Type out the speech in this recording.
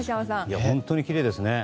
本当にきれいですね。